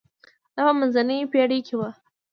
دا په منځنۍ پېړۍ کې و.